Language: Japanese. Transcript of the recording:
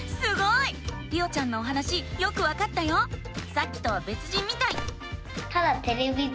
さっきとはべつじんみたい。